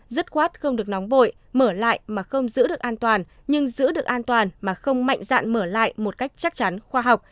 dứt khoát không được nóng vội mở lại mà không giữ được an toàn nhưng giữ được an toàn mà không mạnh dạn mở lại một cách chắc chắn khoa học